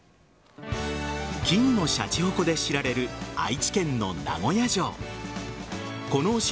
金のしゃちほこで知られる愛知県の名古屋城。